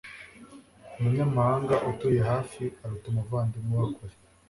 Umunyamahanga utuye hafi aruta umuvandimwe uba kure.